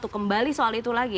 kembali soal itu lagi